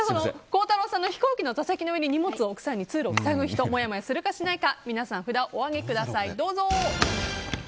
孝太郎さんの飛行機で座席の上に荷物を入れる時通路を塞ぐ人もやもやするかしないか皆さん、札をお上げください。